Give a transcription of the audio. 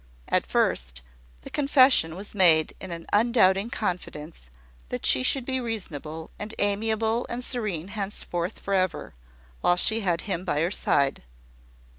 At first, the confession was made in an undoubting confidence that she should be reasonable, and amiable, and serene henceforth for ever, while she had him by her side.